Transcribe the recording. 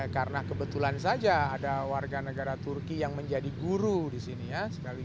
karena kebetulan saja ada warga negara turki yang menjadi guru disini ya